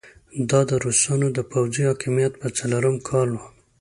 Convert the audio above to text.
دا د روسانو د پوځي حاکميت په څلورم کال وو.